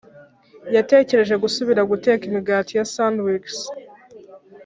yatekereje gusubira guteka imigati ya sandwiches,